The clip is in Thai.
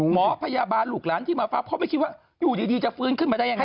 หมอพยาบาลลูกหลานที่มาพักเพราะไม่คิดว่าอยู่ดีจะฟื้นขึ้นมาได้ยังไง